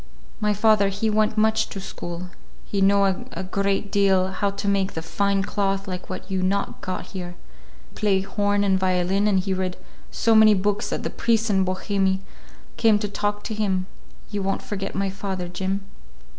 "My father, he went much to school. He know a great deal; how to make the fine cloth like what you not got here. He play horn and violin, and he read so many books that the priests in Bohemie come to talk to him. You won't forget my father, Jim?"